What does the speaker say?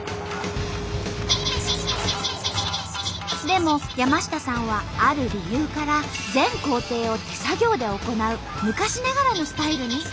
でも山下さんはある理由から全工程を手作業で行う昔ながらのスタイルにこだわっとんと。